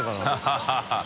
ハハハ